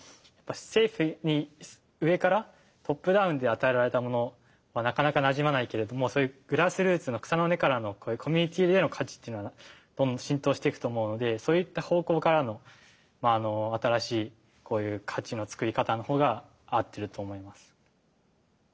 政府に上からトップダウンで与えられたものはなかなかなじまないけれどもそういうグラスルーツの草の根からのコミュニティーでの価値っていうのは浸透していくと思うのでそういった方向からの新しいこういう価値のつくり方の方が合ってると思います。